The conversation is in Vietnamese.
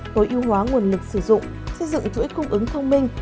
tối ưu hóa nguồn lực sử dụng xây dựng chuỗi cung ứng thông minh